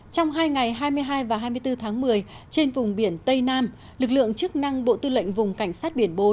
trong hai ngày hai mươi hai và hai mươi bốn tháng một mươi trên vùng biển tây nam lực lượng chức năng bộ tư lệnh vùng cảnh sát biển bốn